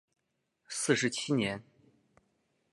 四十七年。